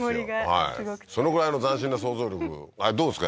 はいそのぐらいの斬新な想像力どうですか？